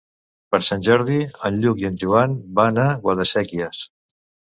Per Sant Jordi en Lluc i en Joan van a Guadasséquies.